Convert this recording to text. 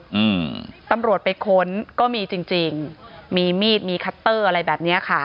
อืมตำรวจไปค้นก็มีจริงจริงมีมีดมีคัตเตอร์อะไรแบบเนี้ยค่ะ